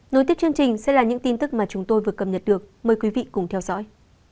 nối tiếp chương trình sẽ là những tin tức mà chúng tôi vừa cập nhật được mời quý vị cùng theo dõi